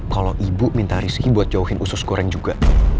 kalau ibu minta rizky buat jauhin usus goreng juga